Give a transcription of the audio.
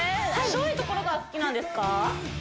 どういうところが好きなんですか？